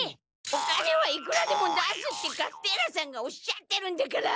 「お金はいくらでも出す」ってカステーラさんがおっしゃってるんだから。